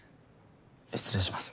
失礼します。